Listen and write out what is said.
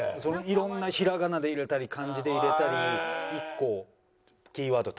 いろんなひらがなで入れたり漢字で入れたり１個キーワード